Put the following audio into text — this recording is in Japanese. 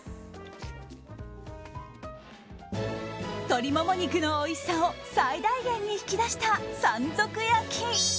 鶏モモ肉のおいしさを最大限に引き出した山賊焼き。